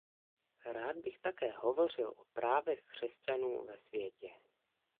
Rád bych také hovořil o právech křesťanů ve světě.